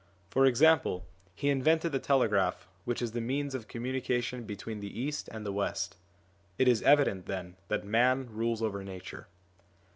For example, he invented the telegraph which is the means of com munication between the East and the West. It is evident, then, that man rules over Nature.